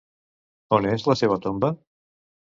On és la seva tomba?